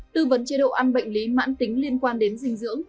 tư vấn chế độ ăn bệnh lý mãn tính liên quan đến dinh dưỡng